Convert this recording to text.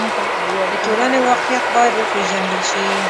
د ټولنې واقعیت باید وپېژندل شي.